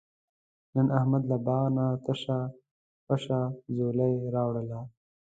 نن احمد له باغ نه تشه پشه ځولۍ راوړله.